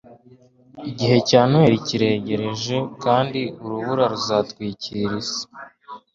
igihe cya noheri kiregereje, kandi urubura ruzatwikira isi